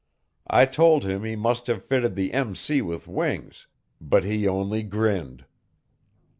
I told him he must have fitted the M. C. with wings, but he only grinned.